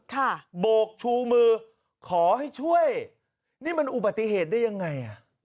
โบกชูมือขอให้ช่วยนี่มันอุบัติเหตุได้ยังไงอ่ะ